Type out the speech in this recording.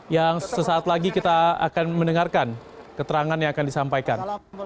yang sesaat lagi kita akan mendengarkan keterangan yang akan disampaikan